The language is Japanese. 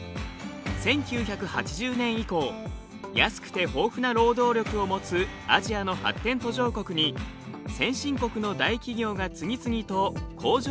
１９８０年以降安くて豊富な労働力を持つアジアの発展途上国に先進国の大企業が次々と工場を移転しました。